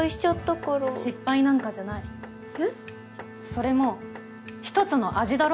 それも一つの味だろ。